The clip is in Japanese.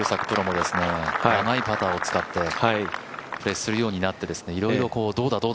プロも長いパターを使ってプレーするようになっていろいろ、どうだ？